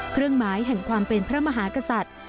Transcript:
เครื่องหมายแห่งความเป็นพระมหากษัตริย์